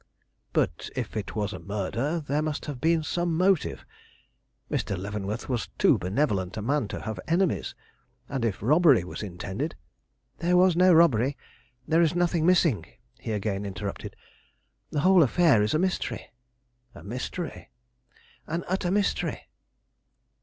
"But if it was a murder, there must have been some motive. Mr. Leavenworth was too benevolent a man to have enemies, and if robbery was intended " "There was no robbery. There is nothing missing," he again interrupted. "The whole affair is a mystery." "A mystery?" "An utter mystery."